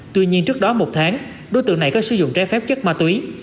tuy nhiên trước đó một tháng đối tượng này có sử dụng trái phép chất ma túy